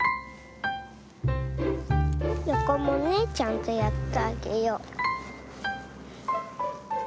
よこもねちゃんとやってあげよう。